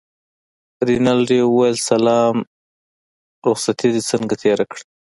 رینالډي وویل سلام رخصتې دې څنګه تېره کړه.